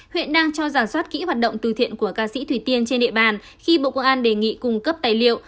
huyện đang cho giả soát kỹ hoạt động từ thiện của ca sĩ thủy tiên trên địa bàn khi bộ công an đề nghị cung cấp tài liệu